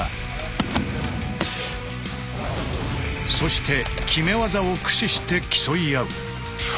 そして極め技を駆使して競い合う。